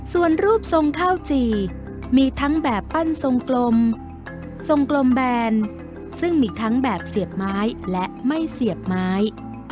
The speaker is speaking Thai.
ส่วนรูปทรงข้าวจี่มีทั้งแบบปั้นทรงกลมทรงกลมแบนซึ่งมีทั้งแบบเสียบไม้และไม่เสียบไม้